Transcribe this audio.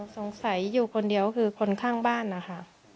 สงสัยอยู่คนเดียวคือคนข้างบ้านนะคะ